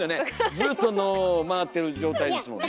ずっと脳回ってる状態ですもんね。